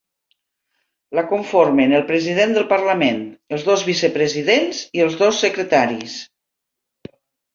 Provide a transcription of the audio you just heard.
La conformen el president del Parlament, els dos vicepresidents i els dos secretaris.